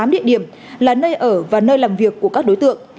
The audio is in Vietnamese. một mươi tám địa điểm là nơi ở và nơi làm việc của các đối tượng